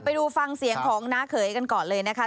ไปดูฟังเสียงของน้าเขยกันก่อนเลยนะคะ